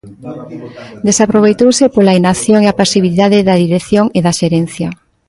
Desaproveitouse pola inacción e a pasividade da dirección e da xerencia.